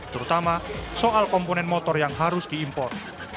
terutama soal komponen motor yang harus diimpor